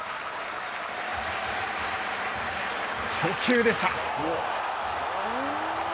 初球でした。